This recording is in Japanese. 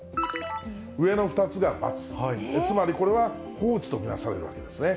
上の２つが×、つまりこれは放置と見なされるわけですね。